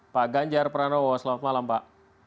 pak ganjar pranowo selamat malam pak